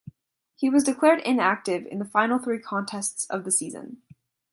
He was declared inactive in the final three contests of the season.